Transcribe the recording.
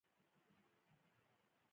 راسره همغږى او هم فکره اوسي.